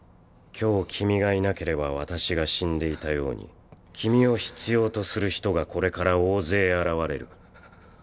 今日君がいなければ私が死んでいたように君を必要とする人がこれから大勢現れる。